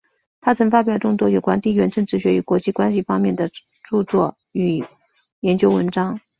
他曾发表众多有关地缘政治学与国际关系方面的着作与研究文章。